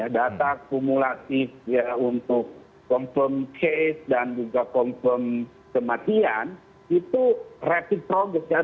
data kumulatif ya untuk confirm case dan juga confirm kematian itu rapid progress ya